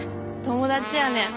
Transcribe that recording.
友達やねん。